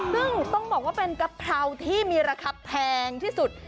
ซึ่งต้องบอกว่าเป็นกะเพราที่มีราคาแพงที่สุด